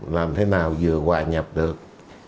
làm thế nào vừa hòa nhập được